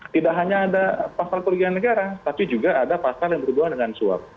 tidak hanya ada pasal kerugian negara tapi juga ada pasal yang berhubungan dengan suap